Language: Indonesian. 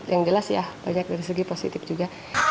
yang jelas ya banyak dari segi positif juga